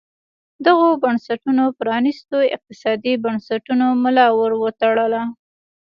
دغو بنسټونو پرانیستو اقتصادي بنسټونو ملا ور وتړله.